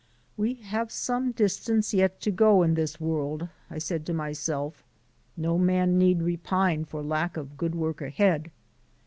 "We have some distance yet to go in this world," I said to myself, "no man need repine for lack of good work ahead."